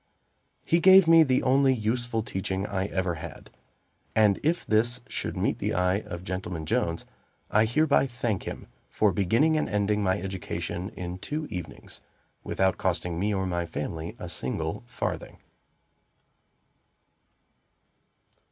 He gave me the only useful teaching I ever had; and if this should meet the eye of Gentleman Jones I hereby thank him for beginning and ending my education in two evenings, without costing me or my family a single farthing.